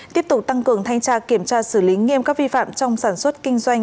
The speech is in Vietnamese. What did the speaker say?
tiếp tục tăng cường thanh tra kiểm tra xử lý nghiêm các vi phạm trong sản xuất kinh doanh